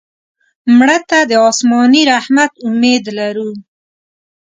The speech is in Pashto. مړه ته د آسماني رحمت امید لرو